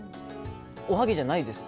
おはぎじゃないです。